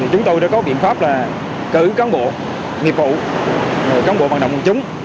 chúng tôi đã có biện pháp là cử cán bộ nghiệp vụ cán bộ vận động quân chúng